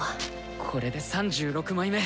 これで３６枚目！